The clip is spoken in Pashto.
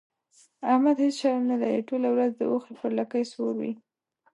احمد هيڅ شرم نه لري؛ ټوله ورځ د اوښ پر لکۍ سپور وي.